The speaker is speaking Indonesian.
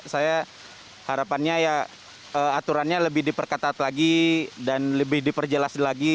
saya harapannya ya aturannya lebih diperketat lagi dan lebih diperjelas lagi